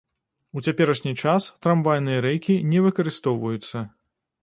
У цяперашні час трамвайныя рэйкі не выкарыстоўваюцца.